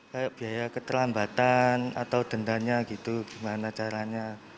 kayak biaya keterlambatan atau dendanya gitu gimana caranya